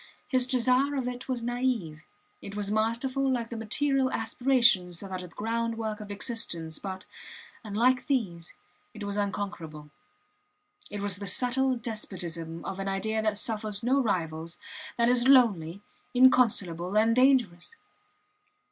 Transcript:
His desire of it was naive; it was masterful like the material aspirations that are the groundwork of existence, but, unlike these, it was unconquerable. It was the subtle despotism of an idea that suffers no rivals, that is lonely, inconsolable, and dangerous.